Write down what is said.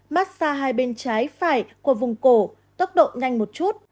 mát xa hai bên trái phải của vùng cổ tốc độ nhanh một chút